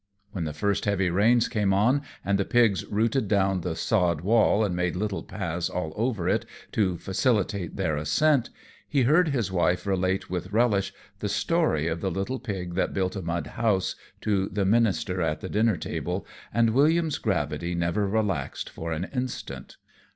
When the first heavy rains came on, and the pigs rooted down the sod wall and made little paths all over it to facilitate their ascent, he heard his wife relate with relish the story of the little pig that built a mud house, to the minister at the dinner table, and William's gravity never relaxed for an instant.